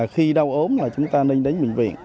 khi đau ốm là chúng ta nên đến bệnh viện